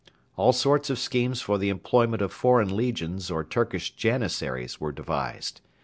All sorts of schemes for the employment of foreign legions or Turkish janissaries were devised.